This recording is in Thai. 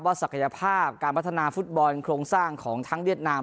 ศักยภาพการพัฒนาฟุตบอลโครงสร้างของทั้งเวียดนาม